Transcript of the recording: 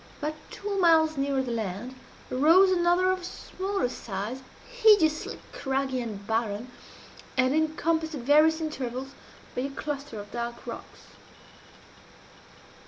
About two miles nearer the land arose another of smaller size, hideously craggy and barren, and encompassed at various intervals by a cluster of dark rocks.